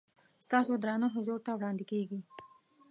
ستاسو درانه حضور ته وړاندې کېږي.